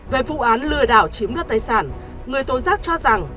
về vụ án lừa đảo chiếm đoạt tài sản người tố giác cho rằng